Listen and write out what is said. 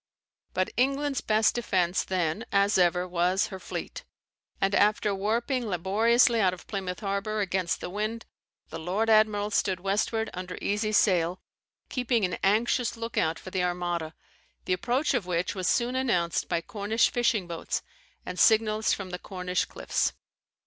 ] But England's best defence then, as ever, was her fleet; and after warping laboriously out of Plymouth harbour against the wind, the lord admiral stood westward under easy sail, keeping an anxious look out for the Armada, the approach of which was soon announced by Cornish fishing boats, and signals from the Cornish cliffs.